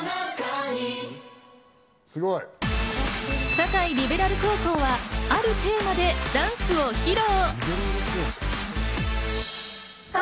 堺リベラル高校は、あるテーマでダンスを披露。